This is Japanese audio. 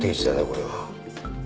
これは。